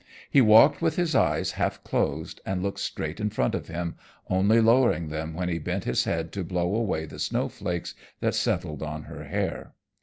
He walked with his eyes half closed and looking straight in front of him, only lowering them when he bent his head to blow away the snow flakes that settled on her hair.